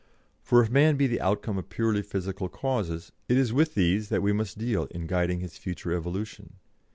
For if man be the outcome of purely physical causes, it is with these that we must deal in guiding his future evolution.